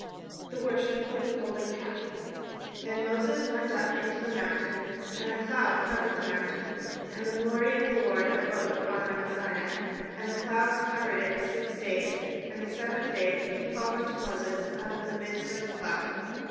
THE WORSHIP OF THE GOLDEN CALF And Moses went up into the mount, and a cloud cov ered the mount. And the glory of the Lord abode upon mount Sinai, and the cloud covered it six days : and the seventh day he called unto Moses out of the midst of the cloud.